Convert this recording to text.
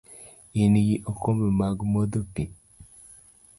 Ingi okombe mag modho pi?